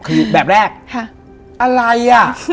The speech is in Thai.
คือแบบแรกอะไรอ่ะ